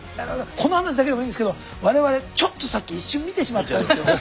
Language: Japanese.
この話だけでもいいんですけど我々ちょっとさっき一瞬見てしまったんですよ。